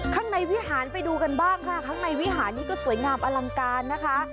ข้างในวิหารไปดูกันบ้างค่ะข้างในวิหารนี้ก็สวยงามอลังการนะคะ